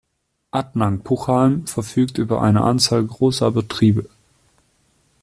Attnang-Puchheim verfügt über eine Anzahl großer Betriebe.